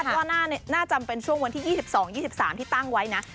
เพราะว่าน่าจะเป็นช่วงวันที่๒๒๒๓ที่ตั้งไว้นะ